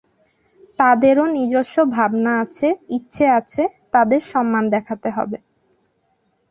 তাঁদেরও নিজস্ব ভাবনা আছে, ইচ্ছে আছে; তাদের সম্মান দেখাতে হবে।